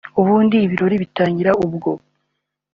ubundi ibirori bitangira ubwo